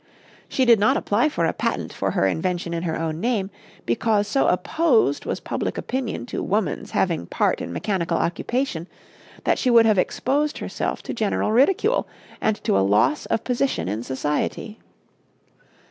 She did not apply for a patent for her invention in her own name, because so opposed was public opinion to woman's having part in mechanical occupation that she would have exposed herself to general ridicule and to a loss of position in society.